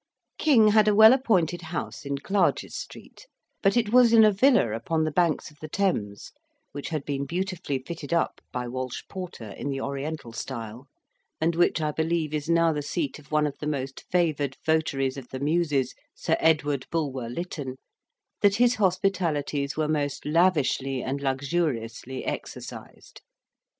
King had a well appointed house in Clarges Street; but it was in a villa upon the banks of the Thames, which had been beautifully fitted up by Walsh Porter in the Oriental style, and which I believe is now the seat of one of the most favoured votaries of the Muses, Sir Edward Bulwer Lytton, that his hospitalities were most lavishly and luxuriously exercised.